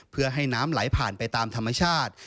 เพื่อให้น้ำไหลผ่านไปตามธรรมชาติ